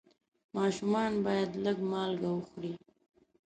ماشومان باید لږ مالګه وخوري.